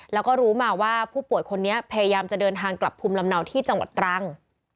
แล้วก็รู้มาว่าผู้ป่วยคนนี้พยายามจะเดินทางกลับภูมิลำเนาที่จังหวัดตรัง